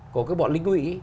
của cái bọn lính quỵ